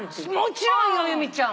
もちろんよ由美ちゃん。